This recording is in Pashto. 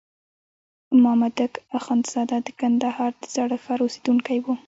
مامدک اخندزاده د کندهار د زاړه ښار اوسېدونکی وو.